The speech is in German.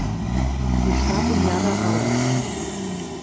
Sie starb im Jahr darauf.